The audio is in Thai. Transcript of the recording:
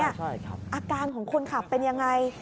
อาการของคนขับเป็นยังไง